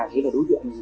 thế là đối tượng